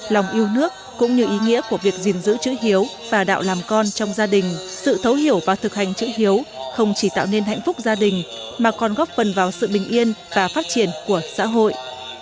lòng yêu nước cũng như ý nghĩa của việc gìn giữ chữ hiếu và đạo làm con trong gia đình sự thấu hiểu và thực hành chữ hiếu không chỉ tạo nên hạnh phúc gia đình mà còn góp phần vào sự bình yên và phát triển của xã hội